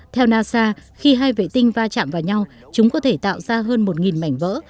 theo nasa khi hai vệ tinh va chạm vào nhau chúng có thể tạo ra hơn một mảnh vỡ